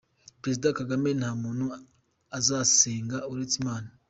Prezida Kagame nta muntu azasenga uretse Imana.